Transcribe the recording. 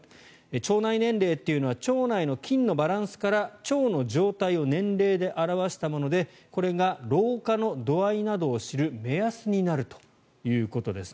腸内年齢というのは腸内の菌のバランスから腸の状態を年齢で表したものでこれが老化の度合いなどを知る目安になるということです。